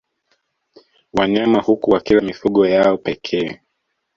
Wanyama huku wakila mifugo yao pekee